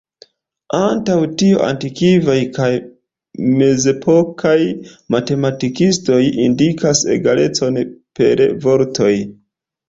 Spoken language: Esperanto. Antaŭ tio antikvaj kaj mezepokaj matematikistoj indikas egalecon per vortoj.